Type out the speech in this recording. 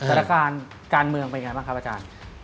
สถานการณ์การเมืองเป็นยังไงบ้างครับอาจารย์